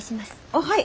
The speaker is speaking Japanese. あっはい。